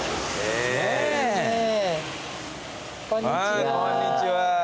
こんにちは。